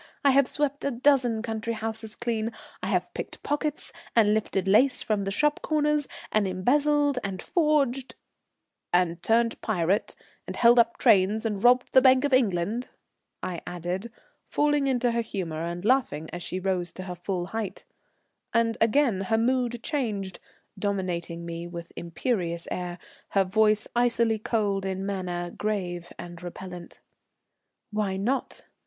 I have swept a dozen country houses clean; I have picked pockets and lifted old lace from the shop counters, and embezzled and forged " "And turned pirate, and held up trains, and robbed the Bank of England," I added, falling into her humour and laughing as she rose to her full height; and again her mood changed, dominating me with imperious air, her voice icily cold in manner, grave and repellent. "Why not?